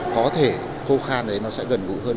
có thể khô khan đấy nó sẽ gần gũi hơn